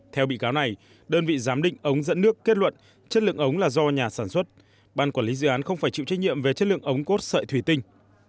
theo bị cáo này đơn vị giám định ống dẫn nước kết luận chất lượng ống là do nhà sản xuất ban quản lý dự án không phải chịu trách nhiệm về chất lượng ống cốt sợi thủy tinh